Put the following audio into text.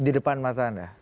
di depan mata anda